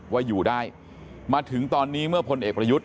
ว่าอยู่ได้มาถึงตอนนี้เมื่อพลเอกประยุทธ์